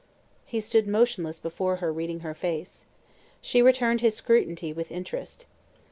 He stood motionless before her, reading her face. She returned his scrutiny with interest.